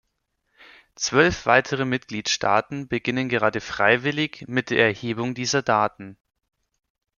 Zwölf weitere Mitgliedstaaten beginnen gerade freiwillig mit der Erhebung dieser Daten.